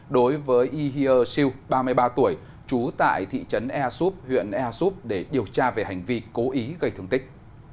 đối với ihear siu ba mươi ba tuổi trú tại thị trấn air soup huyện air soup để điều tra về hành vi cố ý gây thương tích